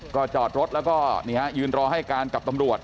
ก็จอดรถแล้วก็ยืนรอให้การกับตำรวจ